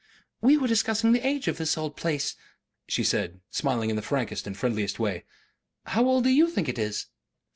"We were discussing the age of this old place," she said, smiling in the frankest and friendliest way. "How old do YOU think it is?"